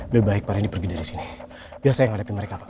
lebih baik pak rendy pergi dari sini biar saya ngadepin mereka pak